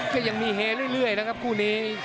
ก็ยังมีเฮเรื่อยนะครับคู่นี้